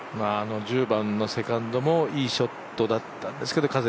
１０番のセカンドもいいショットだったんですけど